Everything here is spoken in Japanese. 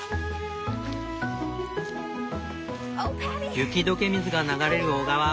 雪解け水が流れる小川。